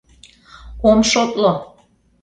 — Ом шотло!